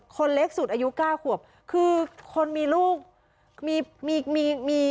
คนเล็กสุดอายุเก้าขวบคือคนมีลูกมีมีมี